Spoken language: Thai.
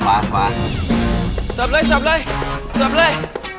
มาแล้วครับเสิร์ฟเลย